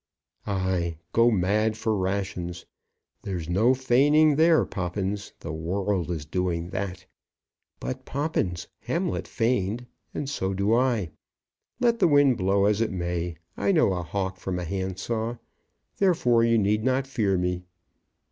"Ay; go mad for rations! There's no feigning there, Poppins. The world is doing that. But, Poppins, Hamlet feigned; and so do I. Let the wind blow as it may, I know a hawk from a handsaw. Therefore you need not fear me."